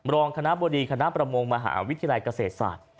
รองคณะบดีคณะประมงมหาวิทยาลัยเกษตรศาสตร์